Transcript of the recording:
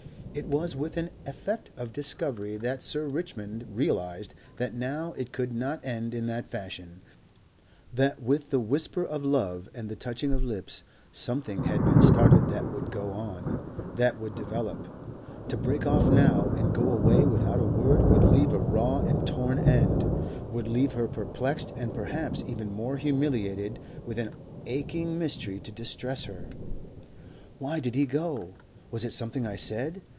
It was with an effect of discovery that Sir Richmond realized that now it could not end in that fashion, that with the whisper of love and the touching of lips, something had been started that would go on, that would develop. To break off now and go away without a word would leave a raw and torn end, would leave her perplexed and perhaps even more humiliated with an aching mystery to distress her. "Why did he go? Was it something I said?